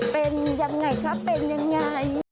เป็นอย่างไรครับเป็นอย่างไร